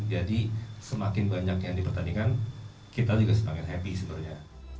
jadi semakin banyak yang dipertandingkan kita juga semakin happy sebenarnya